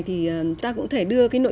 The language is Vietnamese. thì ta cũng thể đưa cái nội dung này